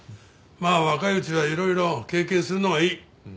まあ若いうちはいろいろ経験するのがいい。